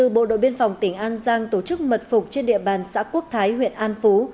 bộ đội biên phòng tỉnh an giang tổ chức mật phục trên địa bàn xã quốc thái huyện an phú